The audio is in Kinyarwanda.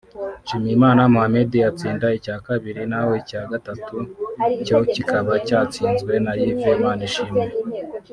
Nshimiyimana Mohammed atsinda icya kabiri naho icya gatatu cyo kikaba cyatsinzwe na Yves Manishimwe